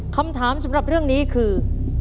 คำถามสำหรับเรื่องนี้คือ